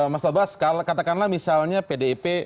mas tobas katakanlah misalnya pdip